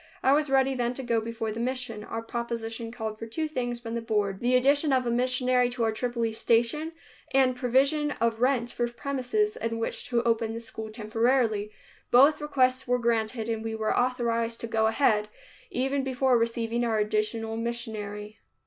I was ready then to go before the mission. Our proposition called for two things from the Board, the addition of a missionary to our Tripoli station and provision of rent for premises in which to open the school temporarily. Both requests were granted and we were authorized to go ahead, even before receiving our additional missionary.